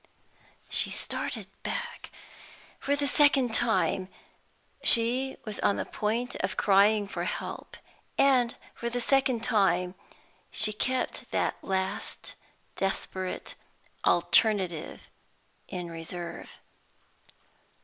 She started back. For the second time she was on the point of crying for help, and for the second time she kept that last desperate alternative in reserve.